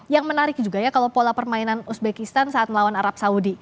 yang menarik juga ya kalau pola permainan uzbekistan saat melawan arab saudi